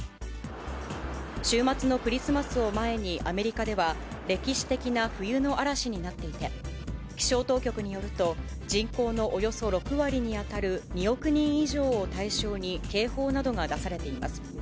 週末のクリスマスを前にアメリカでは、歴史的な冬の嵐になっていて、気象当局によると、人口のおよそ６割に当たる２億人以上を対象に警報などが出されています。